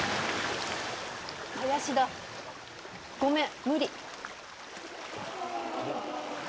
林田ごめん無理。